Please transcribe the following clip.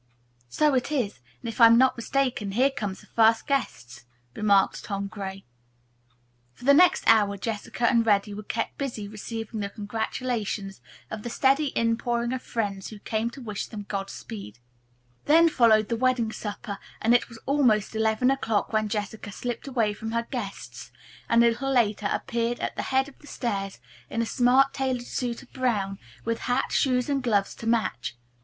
"So it is, and if I'm not mistaken here come the first guests," remarked Tom Gray. For the next hour Jessica and Reddy were kept busy receiving the congratulations of the steady in pouring of friends who came to wish them godspeed. Then followed the wedding supper, and it was almost eleven o'clock when Jessica slipped away from her guests, and a little later, appeared at the head of the stairs in a smart tailored suit of brown, with hat, shoes and gloves to match.